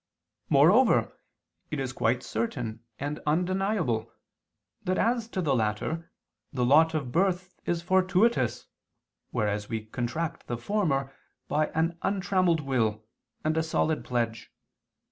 Moreover it is quite certain and undeniable, that as to the latter, the lot of birth is fortuitous, whereas we contract the former by an untrammelled will, and a solid pledge.